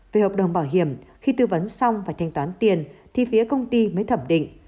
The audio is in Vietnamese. về hợp đồng bảo hiểm khi tư vấn xong và thanh toán tiền thì phía công ty mới thẩm định